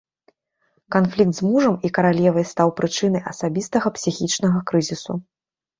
Канфлікт з мужам і каралевай стаў прычынай асабістага псіхічнага крызісу.